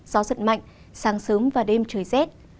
gió giật mạnh sáng sớm và đêm trời rét